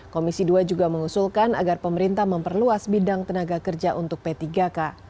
komisi dua juga mengusulkan agar pemerintah memperluas bidang tenaga kerja untuk p tiga k